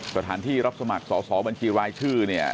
สถานที่รับสมัครสอบบัญชีรายชื่อเนี่ย